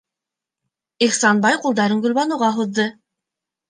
Ихсанбай ҡулдарын Гөлбаныуға һуҙҙы: